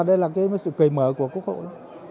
đây là cái sự cười mở của quốc hội